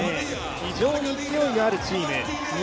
非常に勢いのあるチーム。